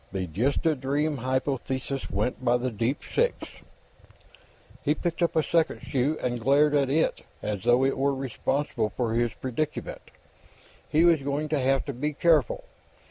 The just a dream hypothesis went by the deep six. He picked up the second shoe and glared at it as though it were responsible for his predicament. He was going to have to be careful.